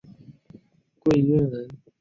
桂萼人。